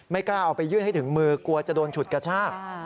กล้าเอาไปยื่นให้ถึงมือกลัวจะโดนฉุดกระชาก